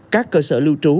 các cơ sở lưu trú